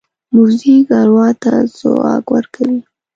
موزیک اروا ته ځواک ورکوي.